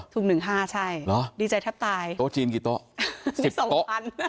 ถูก๑๕อิใช่รอดีใจแทบตายโต๊ะจีนกี่โต๊ะ๑๒ส่องคัน